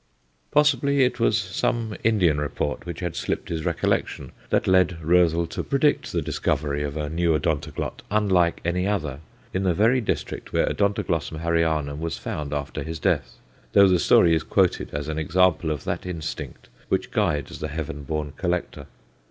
Possibly it was some Indian report which had slipped his recollection that led Roezl to predict the discovery of a new Odontoglot, unlike any other, in the very district where Od. Harryanum was found after his death, though the story is quoted as an example of that instinct which guides the heaven born collector.